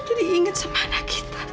kau jadi ingat sama anak kita